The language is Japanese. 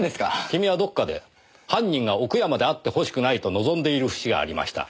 君はどこかで犯人が奥山であってほしくないと望んでいる節がありました。